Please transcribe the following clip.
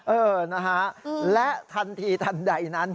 เออนะฮะและทันทีทันใดนั้น